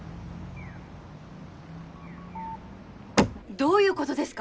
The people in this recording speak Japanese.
どういうことですか？